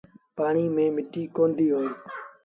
پآڻي ميݩ مٽيٚ ڪونديٚ هوئي۔